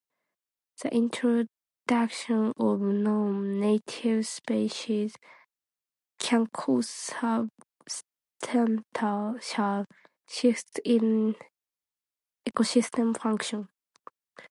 The introduction of non-native species can cause substantial shifts in ecosystem function.